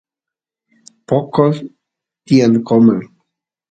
poqo tiyan qomer